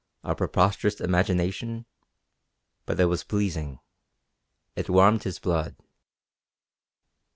A preposterous imagination! But it was pleasing. It warmed his blood.